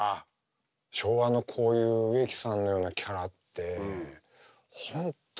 昭和のこういう植木さんのようなキャラって本当にいないし。